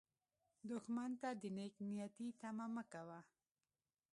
دښمن ته د نېک نیتي تمه مه کوه